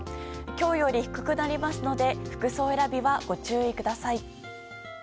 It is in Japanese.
今日より低くなりますので服装選びはご注意ください。